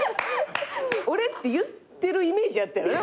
「俺」って言ってるイメージやったんやろな。